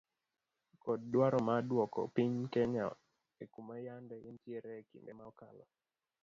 Kod dwaro mar dwoko piny kenya ekuma yande entiere ekinde ma okalo